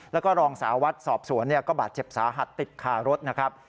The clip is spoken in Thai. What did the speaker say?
แล้วก็รองสาววัดสอบสวนก็บาดเจ็บสาหัสติดคารถนะครับ